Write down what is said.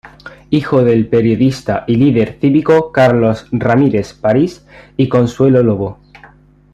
Hijo del periodista y líder cívico Carlos Ramírez París y Consuelo Lobo.